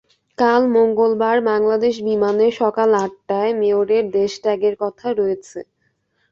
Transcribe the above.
কাল মঙ্গলবার বাংলাদেশ বিমানে সকাল আটটায় মেয়রের দেশ ত্যাগের কথা রয়েছে।